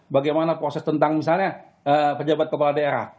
bagaimana proses tentang misalnya pejabat kepala daerah